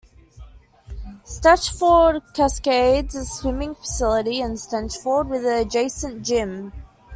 Stechford Cascades is a swimming facility in Stechford with an adjacent gym.